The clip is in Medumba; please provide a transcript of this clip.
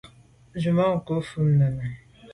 Tswemanko’ vù mum nenà.